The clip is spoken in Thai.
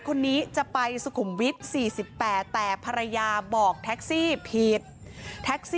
กลับมารับทราบ